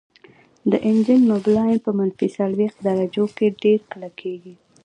د انجن موبلاین په منفي څلوېښت درجو کې ډیر کلکیږي